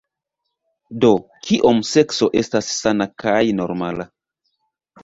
"Do, Kiom sekso estas sana kaj normala?"